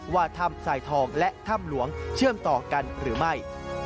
ว่าถ้ำสายทองและถ้ำหลวงเชื่อมต่อกันหรือไม่